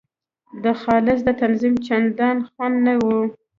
د خالص د تنظیم چندان خوند نه وو.